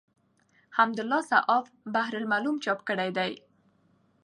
حمدالله صحاف بحر الملوم چاپ کړی دﺉ.